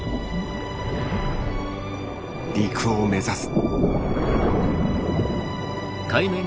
陸を目指す。